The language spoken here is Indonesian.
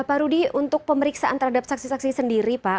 pak rudy untuk pemeriksaan terhadap saksi saksi sendiri pak